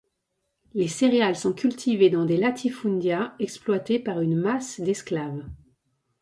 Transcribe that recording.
Les céréales sont cultivées dans des Latifundia exploités par une masse d'esclaves.